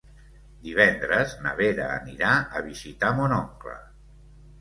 Divendres na Vera anirà a visitar mon oncle.